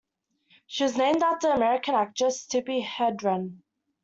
She was named after the American actress Tippi Hedren.